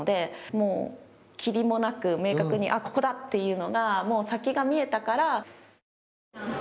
もう霧もなく明確に、あっ、ここだというのがもう先が見えたから。